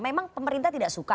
memang pemerintah tidak suka